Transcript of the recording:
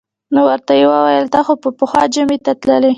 نو ورته یې وویل: ته خو به پخوا جمعې ته تللې.